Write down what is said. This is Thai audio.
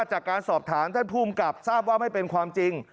ว่าจากการสอบถามท่านผู้กรรมกรรมทราบว่าไม่เป็นความจริง